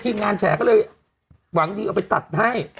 ทีมงานแฉก็เลยหวังดีเอาไปตัดให้